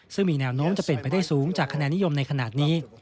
ซึ่งมีแนวโน้มจะเป็นไปได้สูงจากคะแนนนิยมในขณะนี้